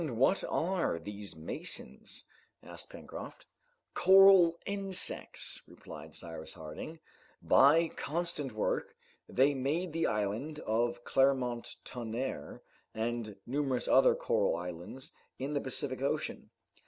"And what are these masons?" asked Pencroft. "Coral insects," replied Cyrus Harding. "By constant work they made the island of Clermont Tonnerre, and numerous other coral islands in the Pacific Ocean.